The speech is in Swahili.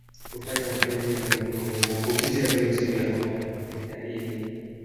Kufanya mapenzi na mtu mwenye maambukizi ya virusi vya homa ya ini